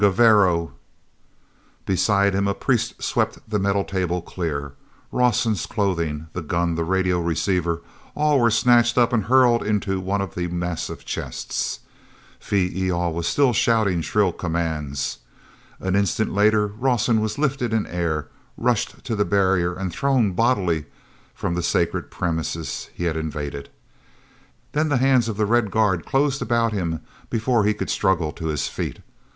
"Gevarro!" Beside him a priest swept the metal table clear. Rawson's clothing, the gun, the radio receiver, all were snatched up and hurled into one of the massive chests. Phee e al was still shouting shrill commands. An instant later Rawson was lifted in air, rushed to the barrier and thrown bodily from the sacred premises he had invaded. Then the hands of the red guard closed about him before he could struggle to his feet.